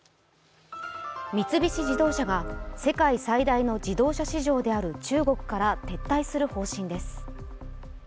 三菱自動車が世界最大の自動車市場である中国から撤退する方針です。